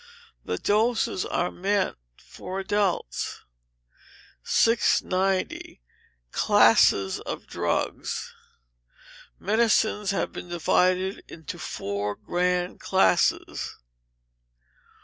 The doses are meant for adults. 690. Classes of Drugs. Medicines have been divided into four grand classes 1.